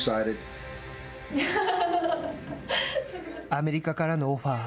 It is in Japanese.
アメリカからのオファー。